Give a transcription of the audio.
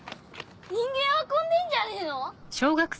人間運んでんじゃねえの？